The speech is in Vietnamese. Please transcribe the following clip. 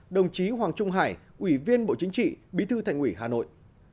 đồng chí hoàng trung hải ủy viên bộ chính trị bí thư thành ủy hà nội